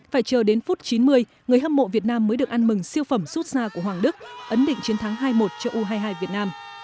phải chờ đến phút chín mươi người hâm mộ việt nam mới được ăn mừng siêu phẩm xuất xa của hoàng đức ấn định chiến thắng hai một cho u hai mươi hai việt nam